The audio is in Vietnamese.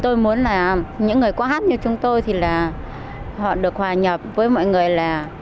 tôi muốn là những người qua hát như chúng tôi thì là họ được hòa nhập với mọi người là